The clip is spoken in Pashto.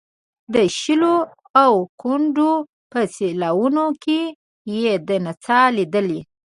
د شیلو او کندو په سیلاوونو کې یې دا نڅا لیدلې.